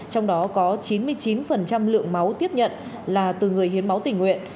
trong đó có chín mươi chín lượng máu tiếp nhận là từ người hiến máu tình nguyện